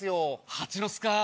ハチの巣かぁ